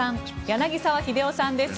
柳澤秀夫さんです。